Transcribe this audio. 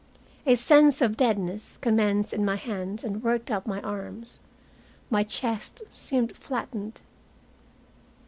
A sense of deadness commenced in my hands and worked up my arms. My chest seemed flattened.